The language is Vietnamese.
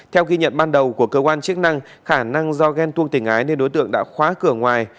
theo ghi nhận ban đầu của cơ quan chức năng khả năng do ghen tuông tình ái nên đối tượng đã khóa cửa ngoài